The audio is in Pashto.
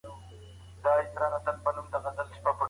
حيا مو ليري د حيــا